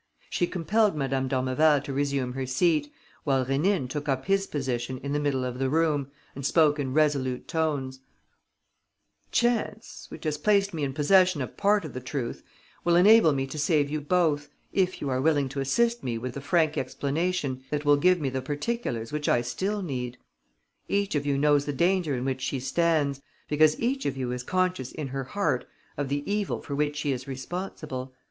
She compelled Madame d'Ormeval to resume her seat, while Rénine took up his position in the middle of the room and spoke in resolute tones: "Chance, which has placed me in possession of part of the truth, will enable me to save you both, if you are willing to assist me with a frank explanation that will give me the particulars which I still need. Each of you knows the danger in which she stands, because each of you is conscious in her heart of the evil for which she is responsible.